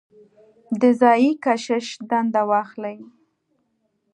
د ځايي کشیش دنده واخلي.